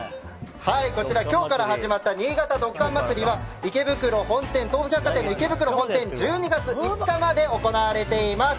こちら、今日から始まった新潟ドッカン祭りは東武百貨店の池袋本店で１２月５日まで行われています。